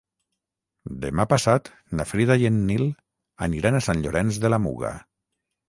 Demà passat na Frida i en Nil aniran a Sant Llorenç de la Muga.